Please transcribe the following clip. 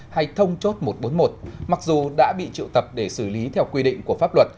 hay thông chốt một trăm bốn mươi một mặc dù đã bị triệu tập để xử lý theo quy định của pháp luật